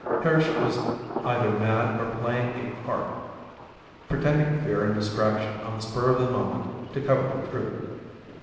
Hirsch was either mad or playing a part pretending fear and distraction on the spur of the moment to cover the truth.